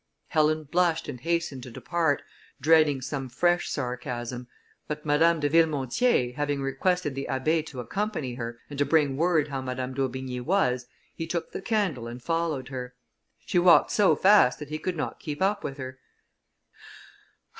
Helen blushed and hastened to depart, dreading some fresh sarcasm; but Madame de Villemontier, having requested the Abbé to accompany her, and to bring word how Madame d'Aubigny was, he took the candle and followed her. She walked so fast, that he could not keep up with her.